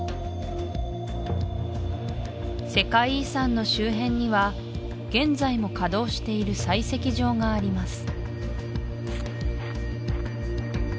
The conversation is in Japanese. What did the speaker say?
世界遺産の周辺には現在も稼働している採石場があります